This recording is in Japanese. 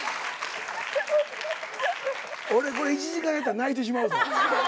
俺これ１時間やったら泣いてしまうぞ。